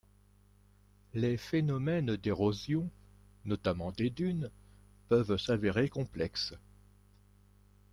Les phénomènes d’érosion, notamment des dunes, peuvent s’avérer complexes.